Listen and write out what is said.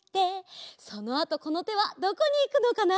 そのあとこのてはどこにいくのかな？